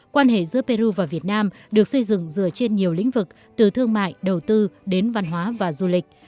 quan hệ giữa peru và việt nam được xây dựng dựa trên nhiều lĩnh vực từ thương mại đầu tư đến văn hóa và du lịch